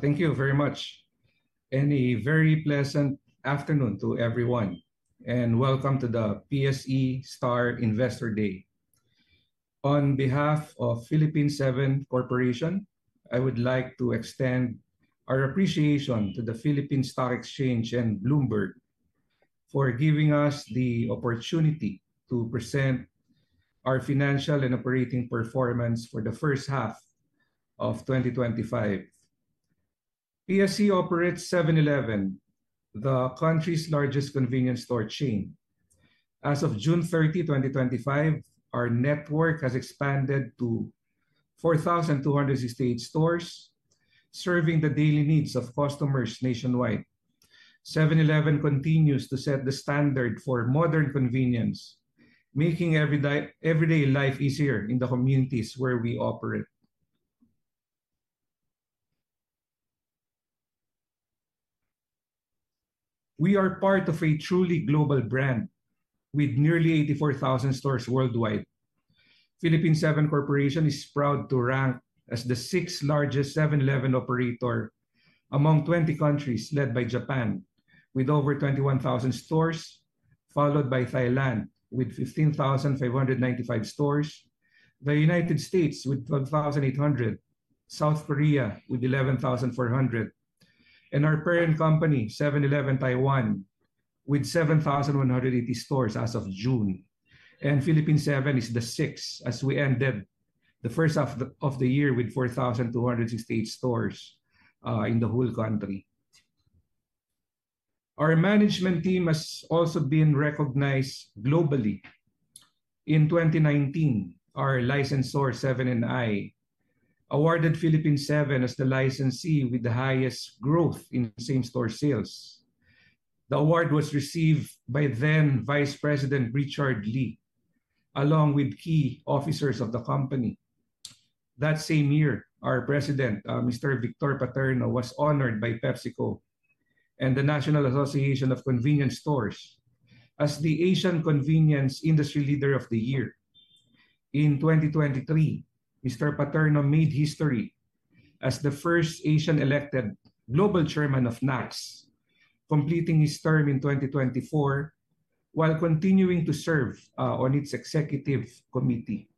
Thank you very much. A very pleasant afternoon to everyone, and welcome to the PSC Star Investor Day. On behalf of Philippine Seven Corporation, I would like to extend our appreciation to the Philippine Stock Exchange and Bloomberg for giving us the opportunity to present our financial and operating performance for the first half of 2025. PSC operates 7-Eleven, the country's largest convenience store chain. As of June 30, 2025, our network has expanded to 4,268 stores, serving the daily needs of customers nationwide. 7-Eleven continues to set the standard for modern convenience, making everyday life easier in the communities where we operate. We are part of a truly global brand with nearly 84,000 stores worldwide. Philippine Seven Corporation is proud to rank as the sixth largest 7-Eleven operator among 20 countries, led by Japan with over 21,000 stores, followed by Thailand with 15,595 stores, the United States with 12,800, South Korea with 11,400, and our parent company, 7-Eleven Taiwan, with 7,180 stores as of June. Philippine Seven is the sixth, as we ended the first half of the year with 4,250 stores in the whole country. Our management team has also been recognized globally. In 2019, our licensor Seven & i awarded Philippine Seven as the licensee with the highest growth in same-store sales. The award was received by then Vice President Richard Lee, along with key officers of the company. That same year, our President, Mr. Victor Paterno, was honored by PepsiCo and the National Association of Convenience Stores as the Asian Convenience Industry Leader of the Year. In 2023, Mr. Paterno made history as the first Asian-elected global chairman of NACS, completing his term in 2024 while continuing to serve on its executive committee.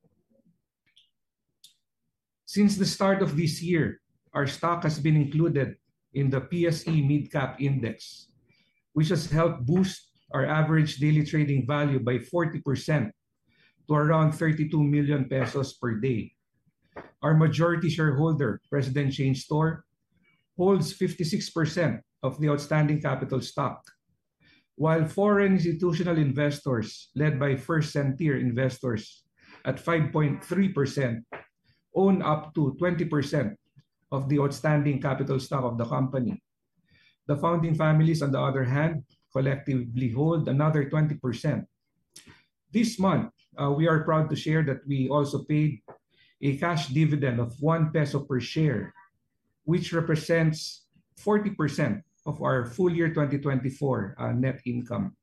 Since the start of this year, our stock has been included in the PSC Mid-Cap Index, which has helped boost our average daily trading value by 40% to around 32 million pesos per day. Our majority shareholder, President Shane Stohr, holds 56% of the outstanding capital stock, while foreign institutional investors, led by First Sentier Investors at 5.3%, own up to 20% of the outstanding capital stock of the company. The founding families, on the other hand, collectively hold another 20%. This month, we are proud to share that we also paid a cash dividend of 1 peso per share, which represents 40% of our full year 2024 net income.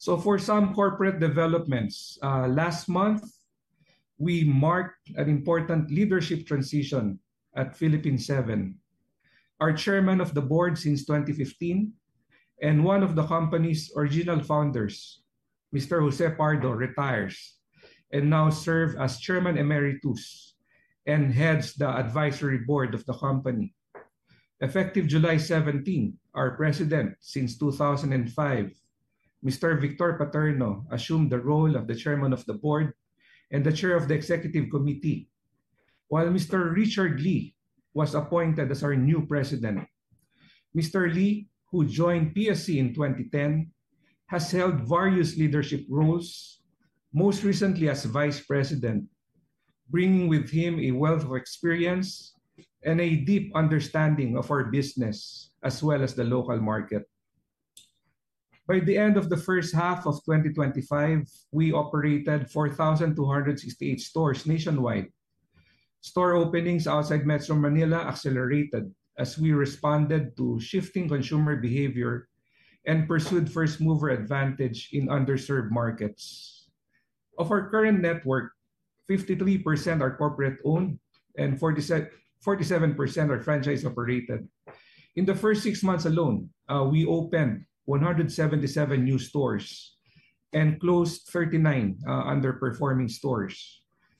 For some corporate developments, last month we marked an important leadership transition at Philippine Seven. Our Chairman of the Board since 2015 and one of the company's original founders, Mr. Jose Pardo, retires and now serves as Chairman Emeritus and heads the advisory board of the company. Effective July 17, our President since 2005, Mr. Victor Paterno, assumed the role of the Chairman of the Board and the Chair of the Executive Committee, while Mr. Richard Lee was appointed as our new President. Mr. Lee, who joined PSC in 2010, has held various leadership roles, most recently as Vice President, bringing with him a wealth of experience and a deep understanding of our business as well as the local market. By the end of the first half of 2025, we operated 4,268 stores nationwide. Store openings outside Metro Manila accelerated as we responded to shifting consumer behavior and pursued first-mover advantage in underserved markets. Of our current network, 53% are corporate-owned and 47% are franchise-operated. In the first six months alone, we opened 177 new stores and closed 39 underperforming stores.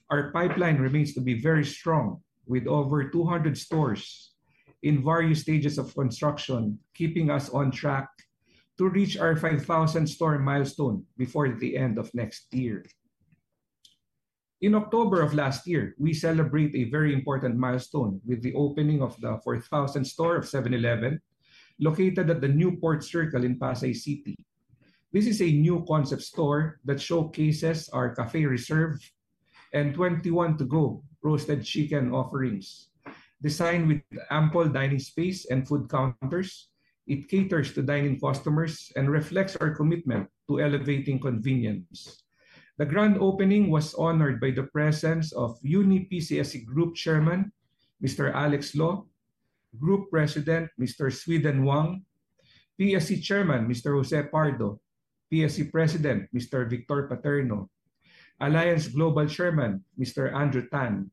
Our pipeline remains to be very strong, with over 200 stores in various stages of construction, keeping us on track to reach our 5,000-store milestone before the end of next year. In October of last year, we celebrated a very important milestone with the opening of the 4,000th store of 7-Eleven, located at the Newport Circle in Pasay City. This is a new concept store that showcases our City Café Reserve and 21TOGO roasted chicken offerings. Designed with ample dining space and food counters, it caters to dining customers and reflects our commitment to elevating convenience. The grand opening was honored by the presence of UniPCSE Group Chairman, Mr. Alex Lo, Group President, Mr. Sweden Wang, PSC Chairman, Mr. Jose Pardo, PSC President, Mr. Victor Paterno, Alliance Global Chairman, Mr. Andrew Tan,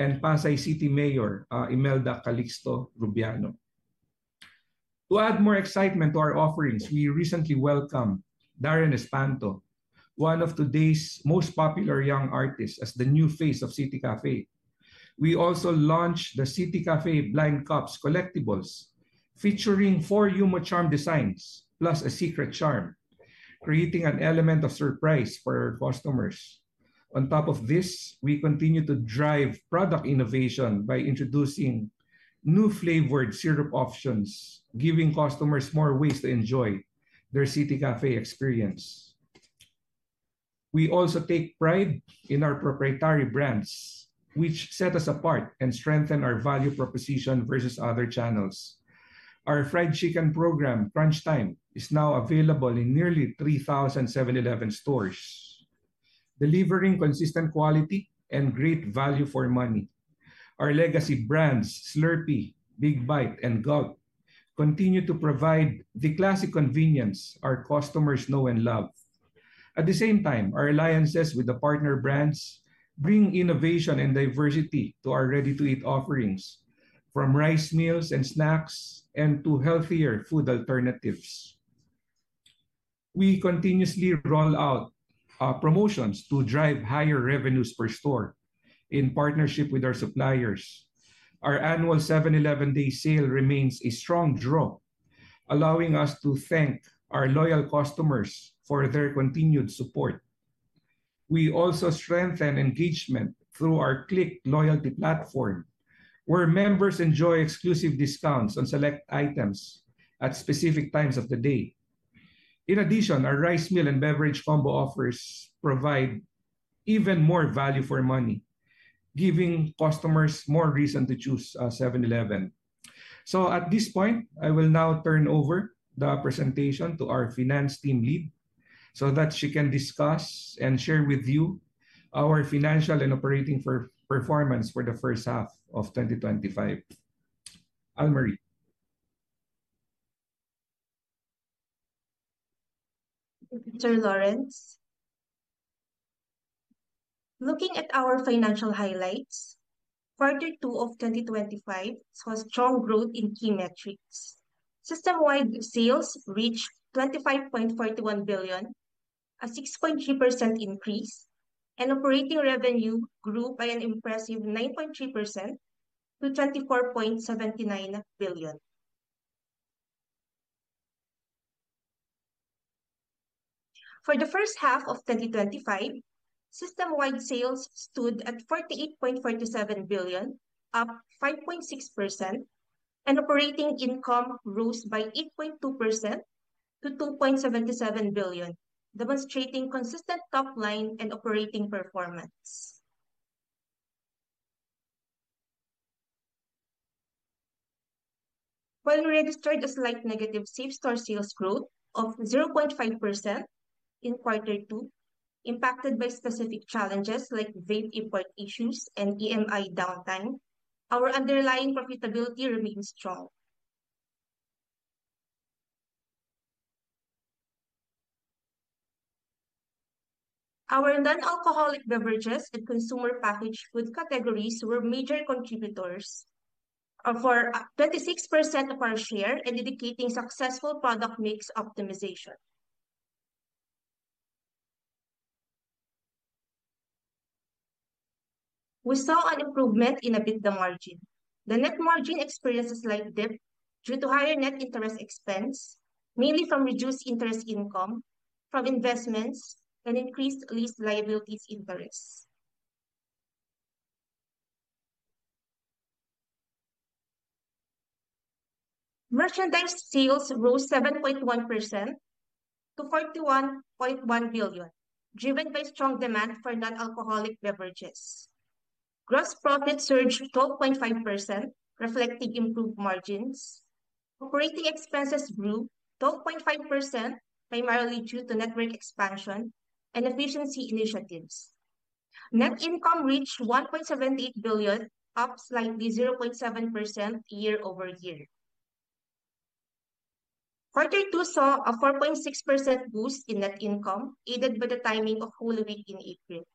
and Pasay City Mayor, Imelda Calixto Rubiano. To add more excitement to our offerings, we recently welcomed Darren Espanto, one of today's most popular young artists, as the new face of City Café. We also launched the City Café Blind Cups collectibles, featuring four Yuma charm designs plus a secret charm, creating an element of surprise for customers. On top of this, we continue to drive product innovation by introducing new flavored syrup options, giving customers more ways to enjoy their City Café experience. We also take pride in our proprietary brands, which set us apart and strengthen our value proposition versus other channels. Our fried chicken program, Crunch Time, is now available in nearly 3,000 7-Eleven stores, delivering consistent quality and great value for money. Our legacy brands, Slurpee, Big Bite, and Gulp, continue to provide the classic convenience our customers know and love. At the same time, our alliances with the partner brands bring innovation and diversity to our ready-to-eat offerings, from rice meals and snacks to healthier food alternatives. We continuously roll out promotions to drive higher revenues per store. In partnership with our suppliers, our annual 7-Eleven Day Sale remains a strong draw, allowing us to thank our loyal customers for their continued support. We also strengthen engagement through our Click Loyalty platform, where members enjoy exclusive discounts on select items at specific times of the day. In addition, our rice meal and beverage combo offers provide even more value for money, giving customers more reason to choose 7-Eleven. At this point, I will now turn over the presentation to our Finance Team Lead so that she can discuss and share with you our financial and operating performance for the first half of 2025. Almarie. Thank you, Lawrence. Looking at our financial highlights, Q2 of 2025 saw strong growth in key metrics. System-wide sales reached 25.41 billion, a 6.2% increase, and operating revenue grew by an impressive 9.3% to PHP 24.79 billion. For the first half of 2025, system-wide sales stood at 48.47 billion, up 5.6%, and operating income rose by 8.2% to 2.77 billion, demonstrating consistent top line and operating performance. While registered as a slight negative, same-store sales growth of 0.5% in Q2, impacted by specific challenges like vape import issues and EMI downtime, our underlying profitability remains strong. Our non-alcoholic beverages and consumer packaged food categories were major contributors of 26% of our share and indicating successful product mix optimization. We saw an improvement in EBITDA margin. The net margin experienced a slight dip due to higher net interest expense, mainly from reduced interest income from investments and increased lease liabilities interest. Merchandise sales rose 7.1% to 41.1 billion, driven by strong demand for non-alcoholic beverages. Gross profit surged 12.5%, reflecting improved margins. Operating expenses grew 12.5% primarily due to network expansion and efficiency initiatives. Net income reached 1.78 billion, up slightly 0.7% year-over-year. Q2 saw a 4.6% boost in net income, aided by the timing of the holiday in April.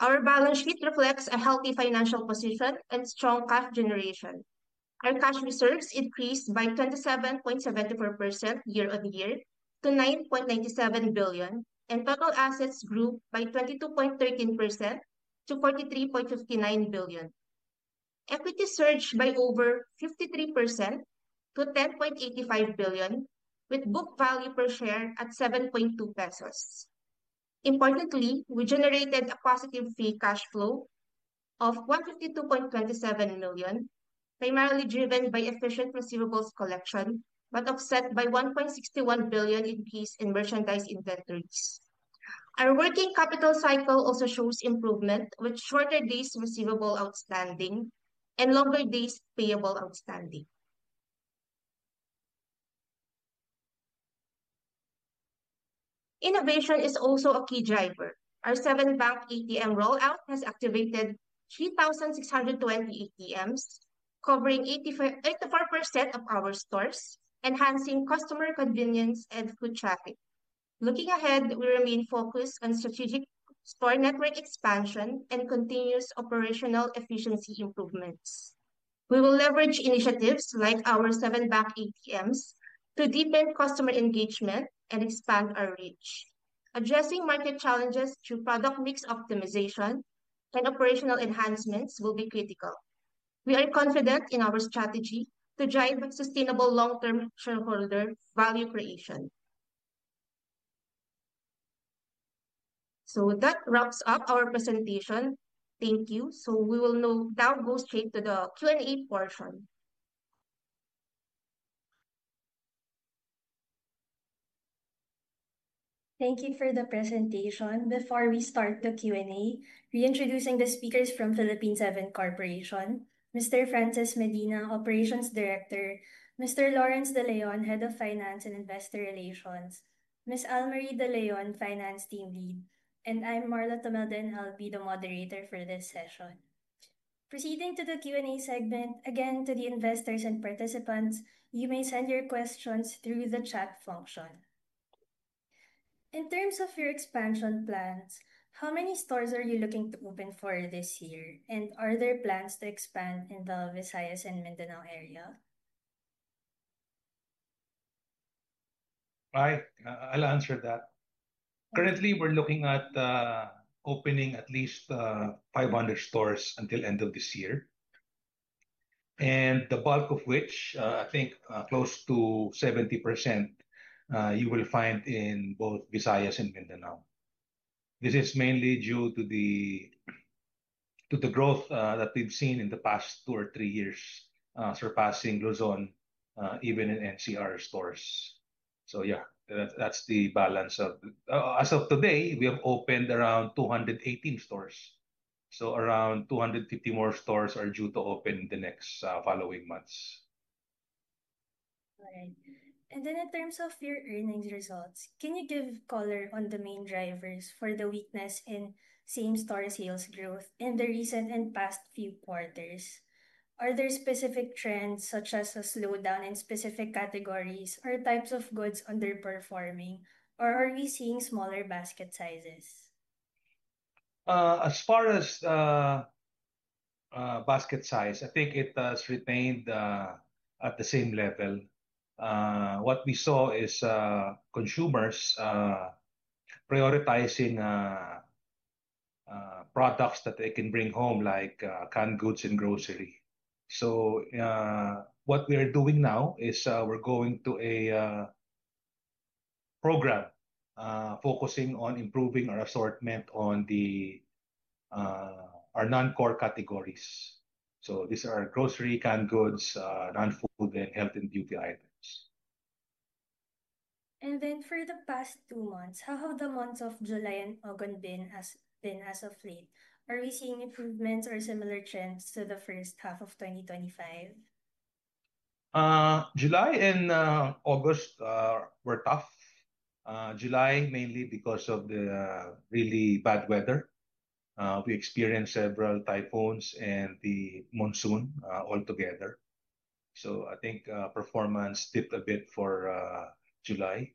Our balance sheet reflects a healthy financial position and strong cash generation. Our cash reserves increased by 27.74% year-on-year to 9.97 billion, and total assets grew by 22.13% to 43.59 billion. Equity surged by over 53% to 10.85 billion, with book value per share at 7.2 pesos. Importantly, we generated a positive free cash flow of 152.27 million, primarily driven by efficient receivables collection but offset by 1.61 billion increase in merchandise inventories. Our working capital cycle also shows improvement, with shorter days receivable outstanding and longer days payable outstanding. Innovation is also a key driver. Our Seven Bank ATM rollout has activated 3,620 ATMs, covering 84% of our stores, enhancing customer convenience and foot traffic. Looking ahead, we remain focused on strategic store network expansion and continuous operational efficiency improvements. We will leverage initiatives like our Seven Bank ATMs to deepen customer engagement and expand our reach. Addressing market challenges through product mix optimization and operational enhancements will be critical. We are confident in our strategy to drive sustainable long-term shareholder value creation. That wraps up our presentation. Thank you. We will now go straight to the Q&A portion. Thank you for the presentation. Before we start the Q&A, we are introducing the speakers from Philippine Seven Corporation: Mr. Francis Medina, Operations Director, Mr. Almarie De Leon, Head of Finance and Investor Relations, Ms. Almarie De Leon, Finance Team Lead, and I'm Marla Tomalde, and I'll be the moderator for this session. Proceeding to the Q&A segment, again, to the investors and participants, you may send your questions through the chat function. In terms of your expansion plans, how many stores are you looking to open for this year, and are there plans to expand in the Visayas and Mindanao area? I'll answer that. Currently, we're looking at opening at least 500 stores until the end of this year, and the bulk of which, I think, close to 70%, you will find in both Visayas and Mindanao. This is mainly due to the growth that we've seen in the past two or three years, surpassing Luzon even in NCR stores. That's the balance. As of today, we have opened around 218 stores, so around 250 more stores are due to open in the next following months. All right. In terms of your earnings results, can you give color on the main drivers for the weakness in same-store sales growth in the recent and past few quarters? Are there specific trends such as a slowdown in specific categories or types of goods underperforming, or are we seeing smaller basket sizes? As far as basket size, I think it has retained at the same level. What we saw is consumers prioritizing products that they can bring home, like canned goods and groceries. What we are doing now is we're going to a program focusing on improving our assortment on the non-core categories. These are grocery, canned goods, non-food, and health and beauty items. For the past two months, how have the months of July and August been as a fleet? Are we seeing improvements or similar trends to the first half of 2025? July and August were tough. July, mainly because of the really bad weather. We experienced several typhoons and the monsoon altogether. I think performance dipped a bit for July.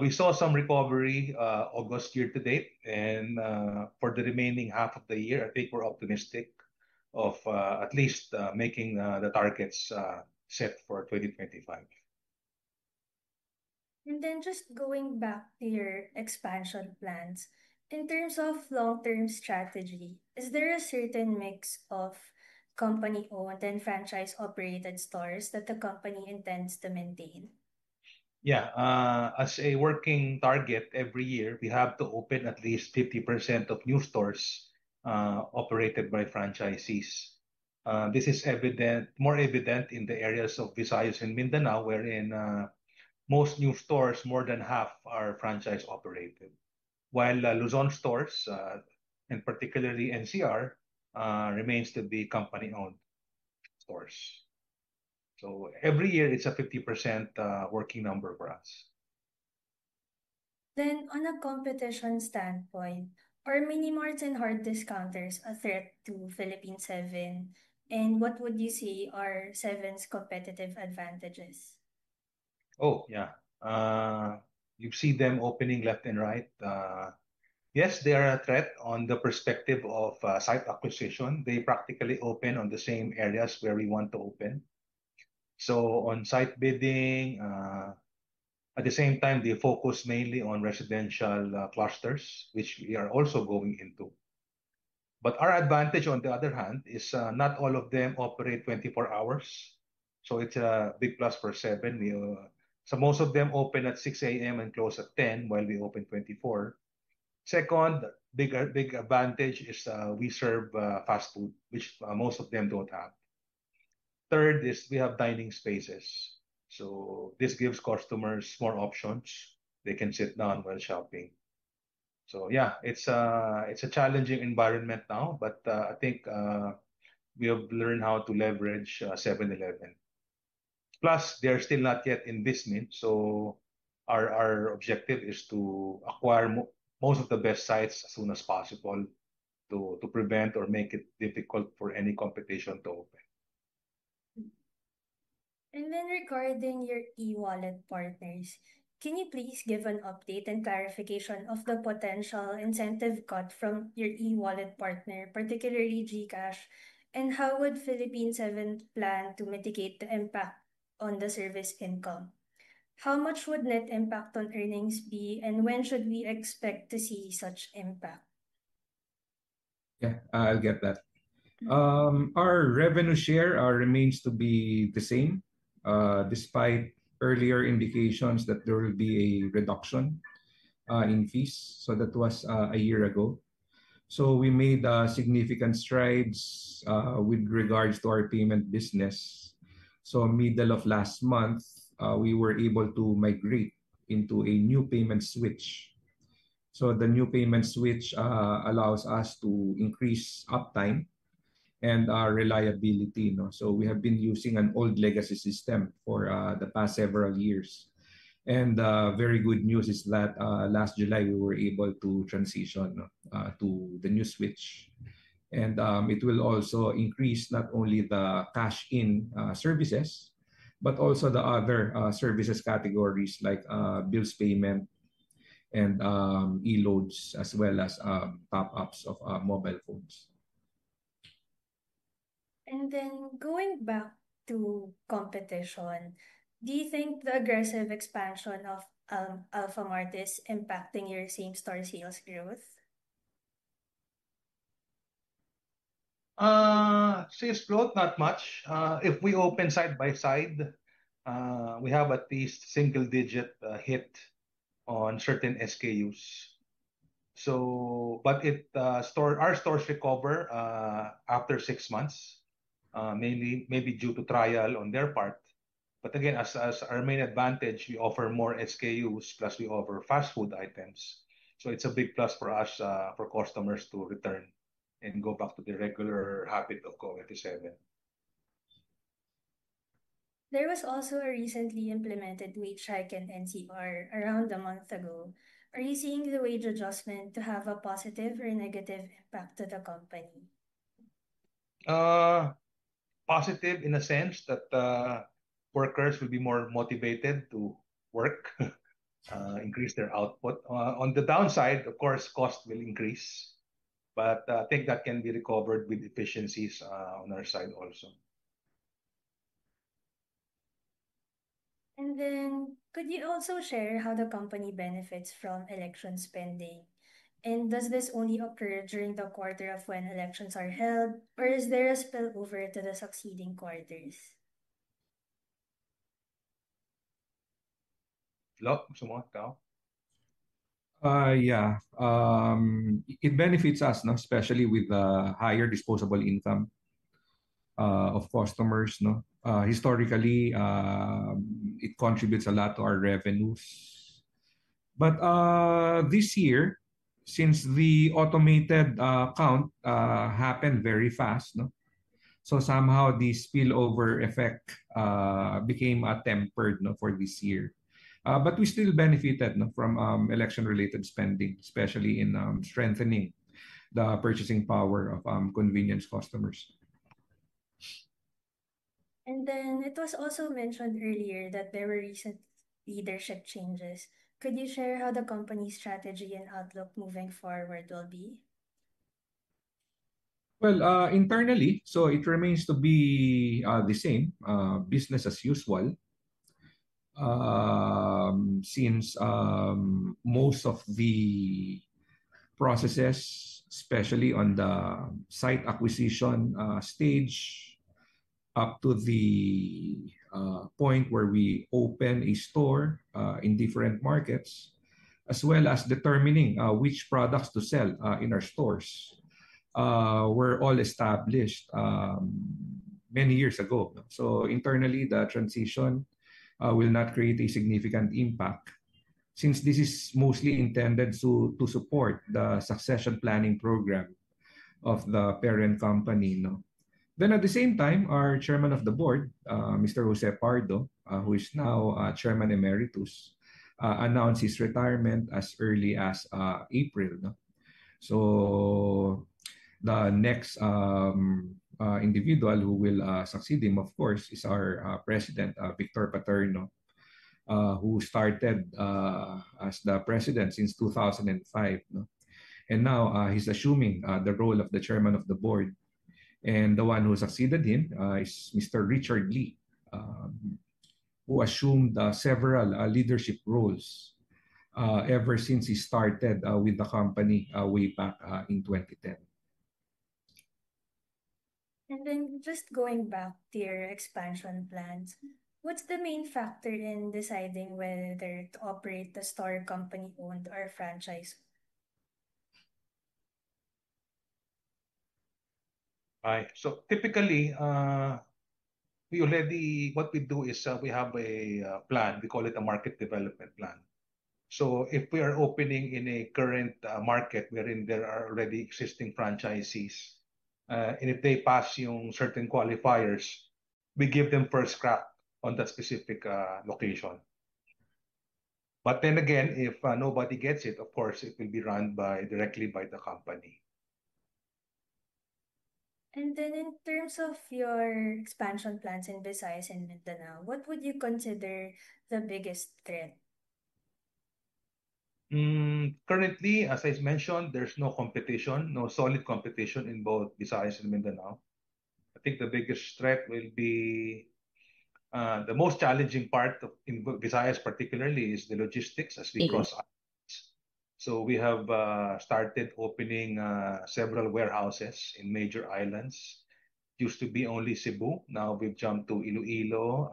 We saw some recovery in August year to date, and for the remaining half of the year, I think we're optimistic of at least making the targets set for 2025. Just going back to your expansion plans, in terms of long-term strategy, is there a certain mix of company-owned and franchise-operated stores that the company intends to maintain? Yeah, as a working target, every year we have to open at least 50% of new stores operated by franchisees. This is more evident in the areas of Visayas and Mindanao, wherein most new stores, more than half, are franchise-operated, while Luzon stores and particularly CR remain to be corporate-owned stores. Every year it's a 50% working number for us. On a competition standpoint, are mini-mart and hard discounters a threat to Philippine Seven, and what would you say are Seven's competitive advantages? Oh, yeah. You see them opening left and right. Yes, they are a threat on the perspective of site acquisition. They practically open in the same areas where we want to open. On site bidding, at the same time, they focus mainly on residential clusters, which we are also going into. Our advantage, on the other hand, is not all of them operate 24 hours. It's a big plus for 7-Eleven. Most of them open at 6:00 A.M. and close at 10:00 P.M. while we open 24 hours. A second big advantage is we serve fast food, which most of them don't have. Third is we have dining spaces. This gives customers more options. They can sit down while shopping. It's a challenging environment now, but I think we have learned how to leverage 7-Eleven. Plus, they're still not yet in business, so our objective is to acquire most of the best sites as soon as possible to prevent or make it difficult for any competition to open. Regarding your e-wallet partners, can you please give an update and clarification of the potential incentive cut from your e-wallet partner, particularly GCash, and how would Philippine Seven plan to mitigate the impact on the service income? How much would net impact on earnings be, and when should we expect to see such impact? Yeah, I'll get that. Our revenue share remains to be the same, despite earlier indications that there will be a reduction in fees. That was a year ago. We made significant strides with regards to our payment business. Middle of last month, we were able to migrate into a new payment switch. The new payment switch allows us to increase uptime and reliability. We have been using an old legacy system for the past several years. The very good news is that last July we were able to transition to the new switch, and it will also increase not only the cash-in services but also the other services categories like bills payment and e-loads as well as top-ups of mobile phones. Going back to competition, do you think the aggressive expansion of Alfamart is impacting your same-store sales growth? Sales growth, not much. If we open side by side, we have at least a single-digit hit on certain SKUs. Our stores recover after six months, mainly maybe due to trial on their part. As our main advantage, we offer more SKUs plus we offer fast food items. It's a big plus for us for customers to return and go back to the regular habit of going to Seven. There was also a recently implemented wage hike in NCR around a month ago. Are you seeing the wage adjustment to have a positive or negative impact to the company? Positive in a sense that workers will be more motivated to work, increase their output. On the downside, of course, costs will increase, but I think that can be recovered with efficiencies on our side also. Could you also share how the company benefits from elections pending? Does this only occur during the quarter when elections are held, or is there a spillover to the succeeding quarters? Yeah, it benefits us, especially with the higher disposable income of customers. Historically, it contributes a lot to our revenues. This year, since the automated count happened very fast, somehow the spillover effect became tempered for this year. We still benefited from election-related spending, especially in strengthening the purchasing power of convenience customers. It was also mentioned earlier that there were recent leadership changes. Could you share how the company's strategy and outlook moving forward will be? Internally, it remains to be the same, business as usual, since most of the processes, especially on the site acquisition stage up to the point where we open a store in different markets, as well as determining which products to sell in our stores, were all established many years ago. Internally, the transition will not create a significant impact since this is mostly intended to support the succession planning program of the parent company. At the same time, our Chairman of the Board, Mr. Jose Pardo, who is now Chairman Emeritus, announced his retirement as early as April. The next individual who will succeed him, of course, is our President, Victor Paterno, who started as the President since 2005. Now, he's assuming the role of the Chairman of the Board. The one who succeeded him is Mr. Richard Lee, who assumed several leadership roles ever since he started with the company way back in 2010. Just going back to your expansion plans, what's the main factor in deciding whether to operate the store corporate-owned or franchised? Typically, what we do is we have a plan. We call it a market development plan. If we are opening in a current market wherein there are already existing franchisees, and if they pass certain qualifiers, we give them first crack on that specific location. If nobody gets it, of course, it will be run directly by the company. In terms of your expansion plans in Visayas and Mindanao, what would you consider the biggest threat? Currently, as I mentioned, there's no competition, no solid competition in both Visayas and Mindanao. I think the biggest threat will be the most challenging part in both Visayas, particularly, is the logistics as we cross islands. We have started opening several warehouses in major islands. It used to be only Cebu. Now, we've jumped to Iloilo,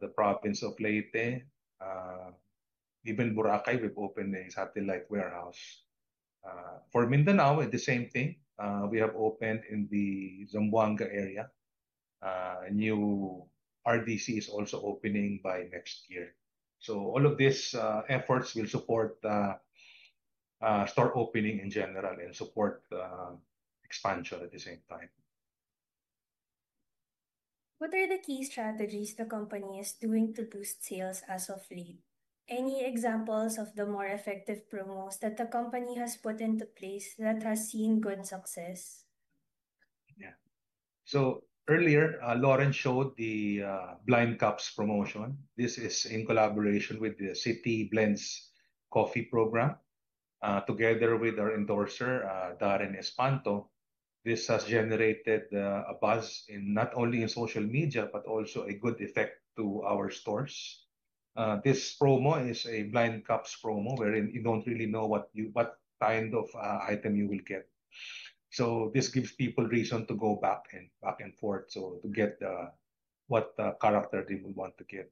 the province of Leyte. Even Boracay, we've opened a satellite warehouse. For Mindanao, the same thing. We have opened in the Zamboanga area. A new RVC is also opening by next year. All of these efforts will support store opening in general and support expansion at the same time. What are the key strategies the company is doing to boost sales as a fleet? Any examples of the more effective promos that the company has put into place that have seen good success? Yeah. Earlier, Lawrence showed the Blind Cups promotion. This is in collaboration with the City Blends coffee program. Together with our endorser, Darren Espanto, this has generated a buzz not only in social media but also a good effect to our stores. This promo is a blind cups promo wherein you don't really know what kind of item you will get. This gives people reason to go back and forth to get the character they would want to get.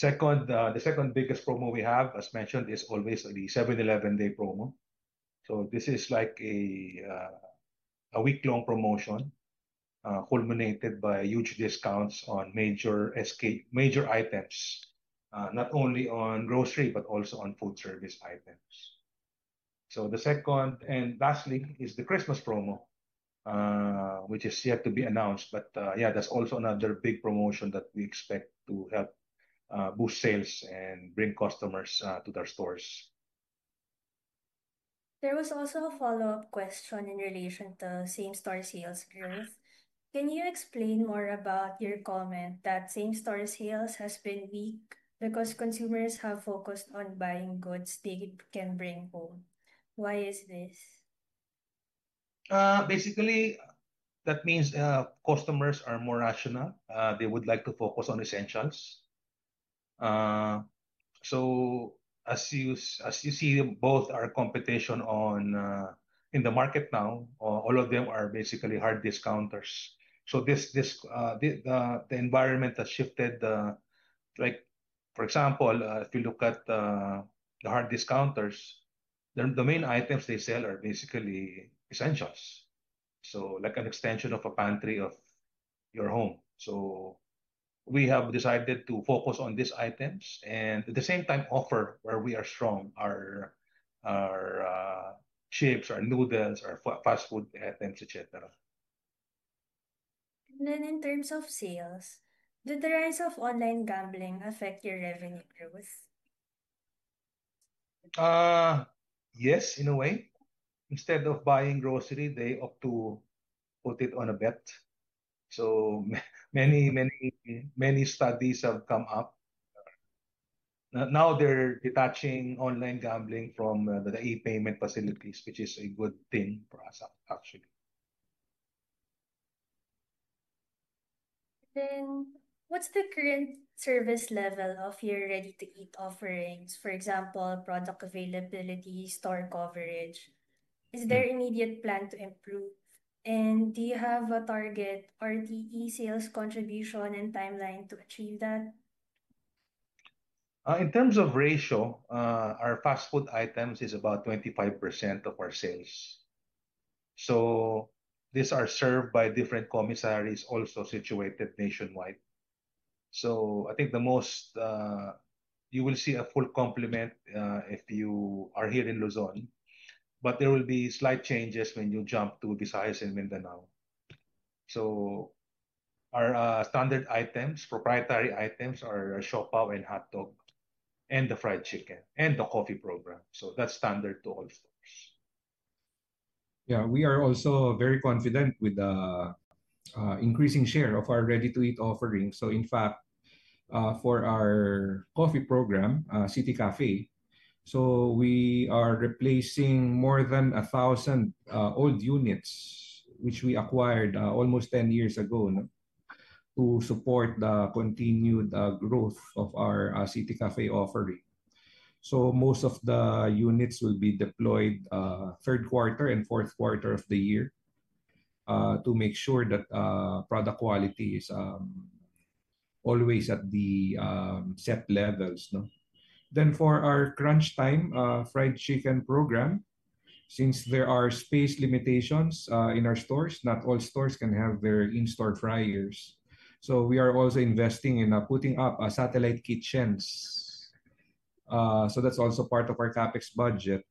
The second biggest promo we have, as mentioned, is always the 7-Eleven Day promo. This is like a week-long promotion culminated by huge discounts on major items, not only on grocery but also on food service items. The second and last thing is the Christmas promo, which is yet to be announced, but yeah, that's also another big promotion that we expect to help boost sales and bring customers to their stores. There was also a follow-up question in relation to same-store sales growth. Can you explain more about your comment that same-store sales have been weak because consumers have focused on buying goods they can bring home? Why is this? Basically, that means customers are more rational. They would like to focus on essentials. As you see, both our competition in the market now, all of them are basically hard discounters. The environment has shifted. For example, if you look at the hard discounters, the main items they sell are basically essentials, like an extension of a pantry of your home. We have decided to focus on these items and at the same time offer where we are strong, our chips, our noodles, our fast food items, etc. In terms of sales, did the rise of online gambling affect your revenue growth? Yes, in a way. Instead of buying grocery, they opt to put it on a bet. Many studies have come up. Now they're detaching online gambling from the e-payment facilities, which is a good thing for us, actually. What's the current service level of your ready-to-eat offerings? For example, product availability and store coverage. Is there an immediate plan to improve? Do you have a target RDE sales contribution and timeline to achieve that? In terms of ratio, our fast food items are about 25% of our sales. These are served by different commissaries also situated nationwide. I think the most you will see a full complement if you are here in Luzon, but there will be slight changes when you jump to Visayas and Mindanao. Our standard items, proprietary items, are shophouse and hot dog and the fried chicken and the coffee program. That's standard to all stores. We are also very confident with the increasing share of our ready-to-eat offerings. In fact, for our coffee program, City Café, we are replacing more than 1,000 old units, which we acquired almost 10 years ago, to support the continued growth of our City Café offering. Most of the units will be deployed third quarter and fourth quarter of the year to make sure that product quality is always at the set levels. For our Crunch Time fried chicken program, since there are space limitations in our stores, not all stores can have their in-store fryers. We are also investing in putting up satellite kitchens. That's also part of our CapEx budget.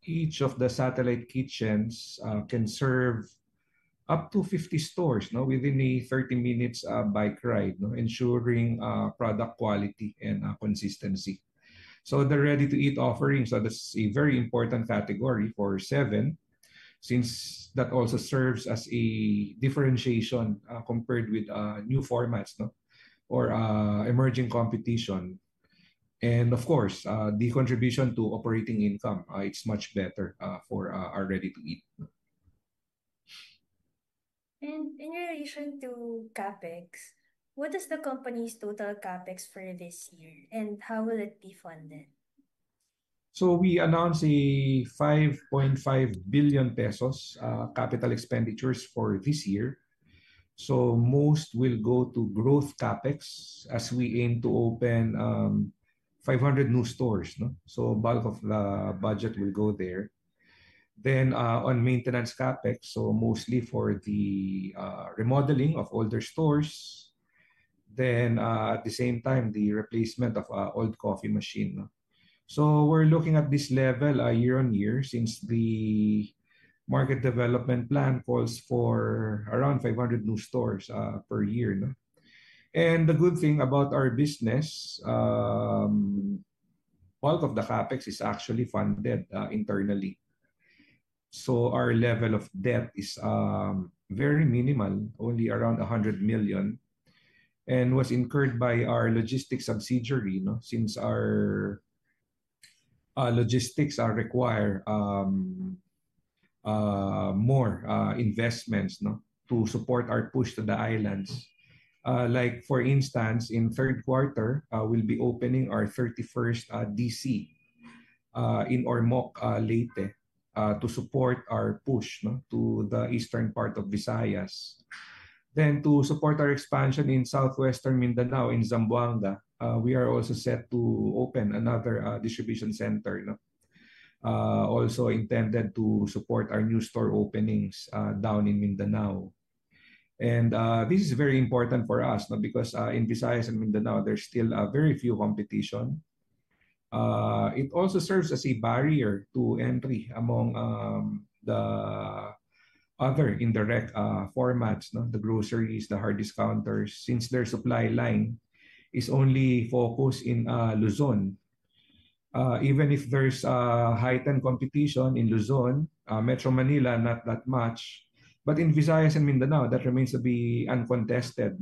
Each of the satellite kitchens can serve up to 50 stores within a 30-minute bike ride, ensuring product quality and consistency. The ready-to-eat offerings are a very important category for Seven since that also serves as a differentiation compared with new formats or emerging competition. Of course, the contribution to operating income is much better for our ready-to-eat. In relation to CapEx, what is the company's total CapEx for this year and how will it be funded? We announced a 5.5 billion pesos capital expenditures for this year. Most will go to growth CapEx as we aim to open 500 new stores. The bulk of the budget will go there. On maintenance CapEx, mostly for the remodeling of older stores and at the same time, the replacement of old coffee machines. We're looking at this level year on year since the market development plan calls for around 500 new stores per year. The good thing about our business is the bulk of the CapEx is actually funded internally. Our level of debt is very minimal, only around 100 million, and was incurred by our logistics subsidiary since our logistics require more investments to support our push to the islands. For instance, in the third quarter, we'll be opening our 31st distribution center in Ormoc, Leyte, to support our push to the eastern part of Visayas. To support our expansion in southwestern Mindanao in Zamboanga, we are also set to open another distribution center, also intended to support our new store openings down in Mindanao. This is very important for us because in Visayas and Mindanao, there's still very few competition. It also serves as a barrier to entry among the other indirect formats, the groceries, the hard discounters, since their supply line is only focused in Luzon. Even if there's a heightened competition in Luzon, Metro Manila, not that much. In Visayas and Mindanao, that remains to be uncontested.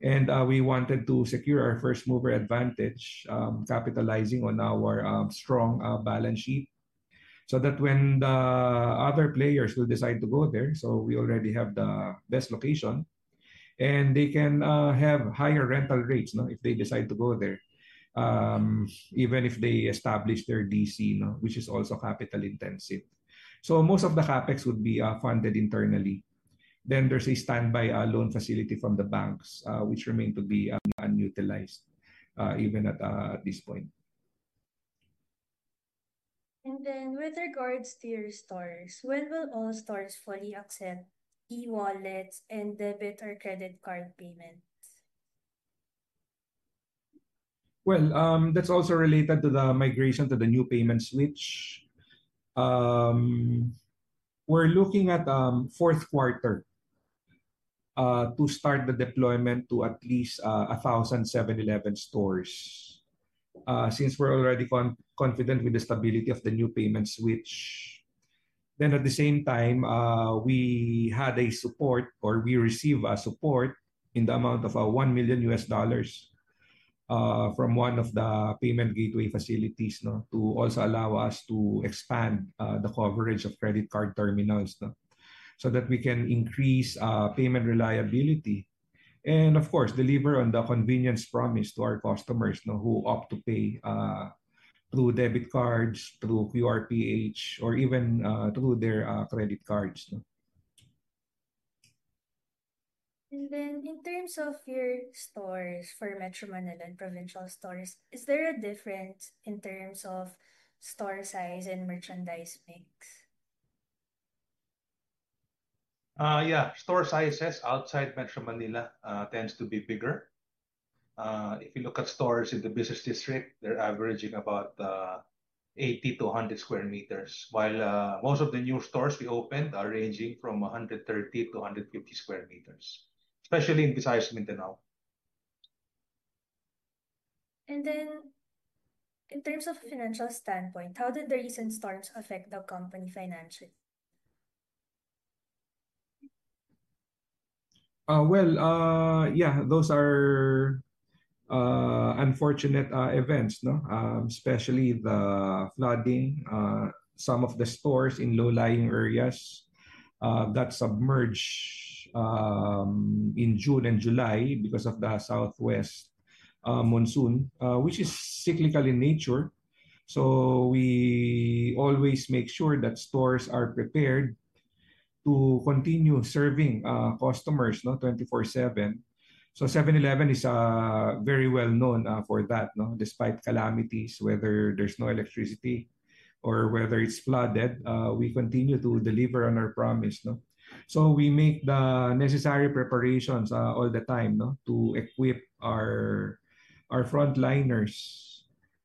We wanted to secure our first-mover advantage, capitalizing on our strong balance sheet so that when the other players decide to go there, we already have the best location and they can have higher rental rates if they decide to go there, even if they establish their DC, which is also capital intensive. Most of the CapEx would be funded internally. There's a standby loan facility from the banks, which remains to be unutilized even at this point. With regards to your stores, when will all stores fully accept e-wallets and debit or credit card payments? That's also related to the migration to the new payment switch. We're looking at fourth quarter to start the deployment to at least 1,000 7-Eleven stores since we're already confident with the stability of the new payment switch. At the same time, we had support or we received support in the amount of $1 million from one of the payment gateway facilities to also allow us to expand the coverage of credit card terminals so that we can increase payment reliability and, of course, deliver on the convenience promised to our customers who opt to pay through debit cards, through QRPH, or even through their credit cards. In terms of your stores for Metro Manila and provincial stores, is there a difference in terms of store size and merchandise mix? Yeah, store sizes outside Metro Manila tend to be bigger. If you look at stores in the business district, they're averaging about 80 sqm-100 sqm, while most of the new stores we opened are ranging from 130 sqm-150 sqm, especially in Visayas and Mindanao. In terms of financial standpoint, how did the recent storms affect the company financially? Those are unfortunate events, especially the flooding. Some of the stores in low-lying areas got submerged in June and July because of the southwest monsoon, which is cyclical in nature. We always make sure that stores are prepared to continue serving customers 24/7. 7-Eleven is very well known for that. Despite calamities, whether there's no electricity or whether it's flooded, we continue to deliver on our promise. We make the necessary preparations all the time to equip our frontliners.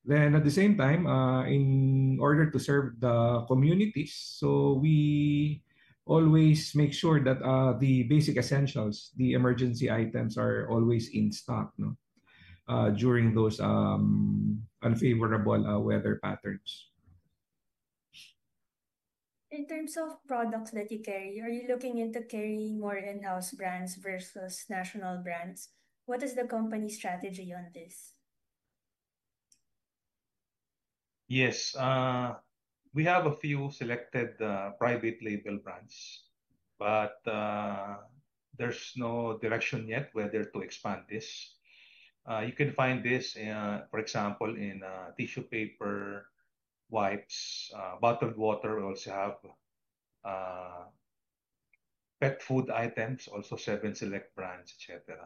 At the same time, in order to serve the communities, we always make sure that the basic essentials, the emergency items are always in stock during those unfavorable weather patterns. In terms of products that you carry, are you looking into carrying more in-house brands versus national brands? What is the company's strategy on this? Yes, we have a few selected private label brands, but there's no direction yet whether to expand this. You can find this, for example, in tissue paper, wipes, bottled water. We also have pet food items, also Seven Select brands, etc.,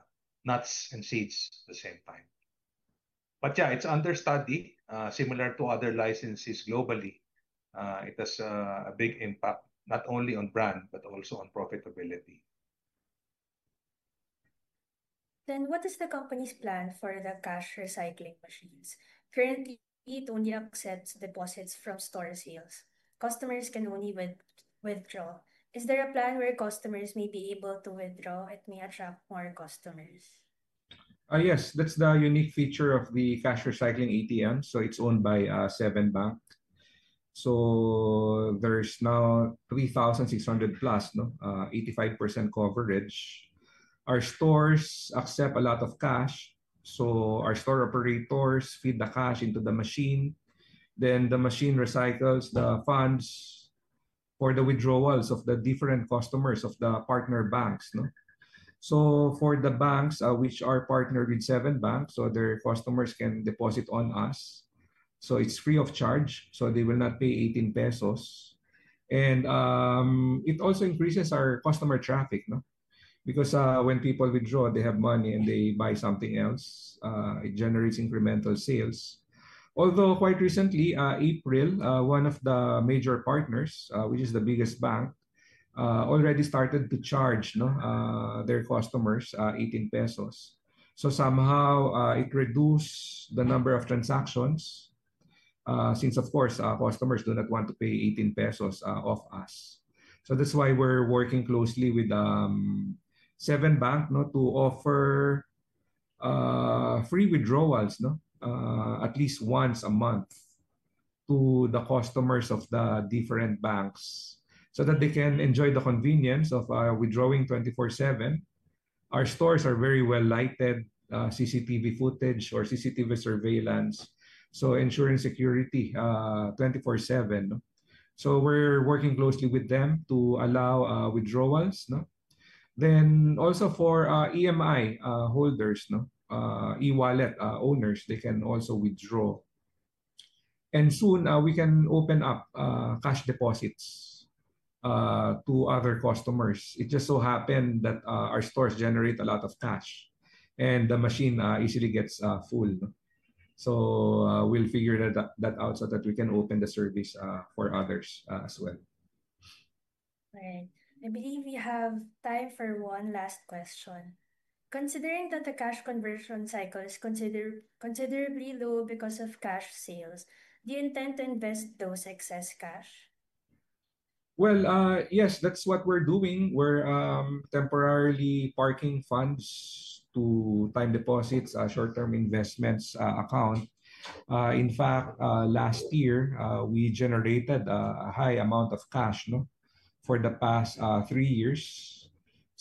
nuts and seeds at the same time. It's under study, similar to other licenses globally. It has a big impact not only on brand but also on profitability. What is the company's plan for the cash recycling machines? Currently, it only accepts deposits from store sales. Customers can only withdraw. Is there a plan where customers may be able to withdraw? It may attract more customers. Yes, that's the unique feature of the cash recycling ATM. It's owned by Seven Bank. There are now 3,600+, 85% coverage. Our stores accept a lot of cash. Our store operators feed the cash into the machine, and the machine recycles the funds for the withdrawals of the different customers of the partner banks. For the banks which are partnered with Seven Bank, their customers can deposit on us. It's free of charge. They will not pay 18 pesos. It also increases our customer traffic because when people withdraw, they have money and they buy something else. It generates incremental sales. Quite recently, in April, one of the major partners, which is the biggest bank, already started to charge their customers 18 pesos. Somehow it reduced the number of transactions since, of course, customers do not want to pay 18 pesos off us. We're working closely with Seven Bank to offer free withdrawals at least once a month to the customers of the different banks so that they can enjoy the convenience of withdrawing 24/7. Our stores are very well lighted, with CCTV footage or CCTV surveillance, ensuring security 24/7. We're working closely with them to allow withdrawals. Also, for EMI holders, e-wallet owners, they can also withdraw. Soon we can open up cash deposits to other customers. It just so happens that our stores generate a lot of cash and the machine easily gets full. We'll figure that out so that we can open the service for others as well. All right. I believe we have time for one last question. Considering that the cash conversion cycle is considerably low because of cash sales, do you intend to invest those excess cash? That's what we're doing. We're temporarily parking funds to time deposits, short-term investments account. In fact, last year we generated a high amount of cash for the past three years.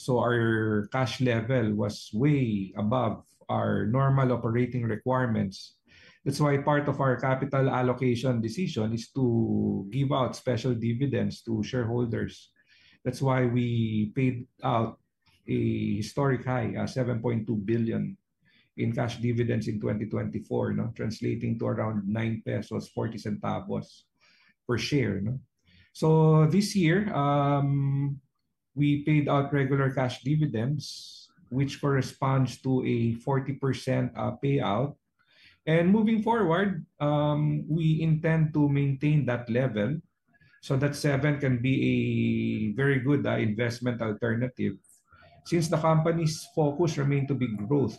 Our cash level was way above our normal operating requirements. That's why part of our capital allocation decision is to give out special dividends to shareholders. That's why we paid out a historic high, 7.2 billion in cash dividends in 2024, translating to around 9.40 pesos per share. This year we paid out regular cash dividends, which corresponds to a 40% payout. Moving forward, we intend to maintain that level so that Seven can be a very good investment alternative since the company's focus remains to be growth.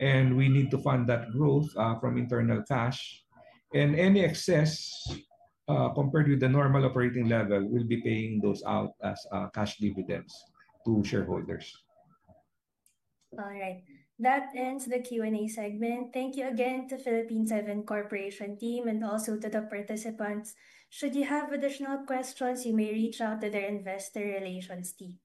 We need to fund that growth from internal cash, and any excess compared with the normal operating level will be paying those out as cash dividends to shareholders. All right. That ends the Q&A segment. Thank you again to Philippine Seven Corporation team and also to the participants. Should you have additional questions, you may reach out to their Investor Relations team.